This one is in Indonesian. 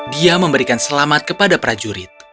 dia memberikan selamat kepada prajurit